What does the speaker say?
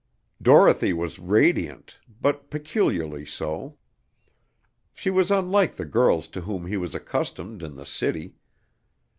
Dorothy was radiant, but peculiarly so. She was unlike the girls to whom he was accustomed in the city.